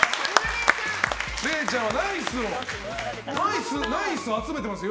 れいちゃんはナイスを集めてますよ。